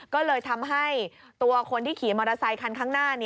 ก็เลยทำให้ตัวคนที่ขี่มอเตอร์ไซคันข้างหน้า